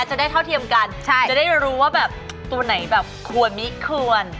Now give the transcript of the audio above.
จะได้รู้ว่าแบบตัวไหนแบบควรมิควร